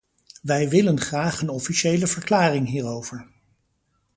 Wij willen graag een officiële verklaring hierover.